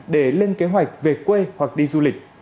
để lên kế hoạch về quê hoặc đi du lịch